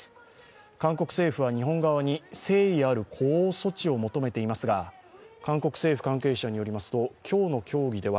韓国政府は日本側に誠意ある呼応措置を求めていますが韓国政府関係者によりますと今日の協議では